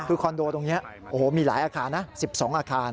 คือคอนโดตรงนี้โอ้โหมีหลายอาคารนะ๑๒อาคาร